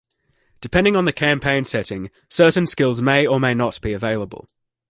Depending on the campaign setting, certain Skills may or may not be available.